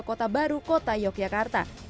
kota baru kota yogyakarta